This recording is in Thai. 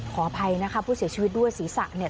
ขออภัยนะคะผู้เสียชีวิตด้วยศีรษะเนี่ย